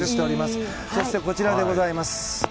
そして、こちらでございます。